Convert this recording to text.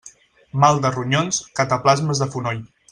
Mal de ronyons, cataplasmes de fonoll.